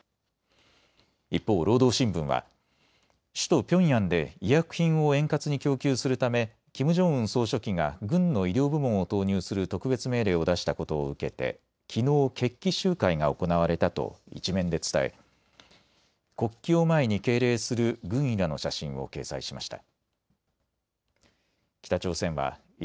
一方、労働新聞は首都ピョンヤンで医薬品を円滑に供給するためキム・ジョンウン総書記が軍の医療部門を投入する特別命令を出したことを受けてきのう決起集会が行われたと１面で伝え国旗を前に敬礼する軍医らの写真を掲載しました。